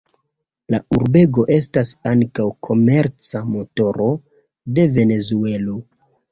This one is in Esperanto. La urbego estas ankaŭ komerca motoro de Venezuelo.